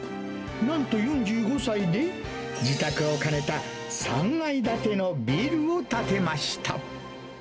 なんと４５歳で、自宅を兼ねた３階建てのビルを建てました。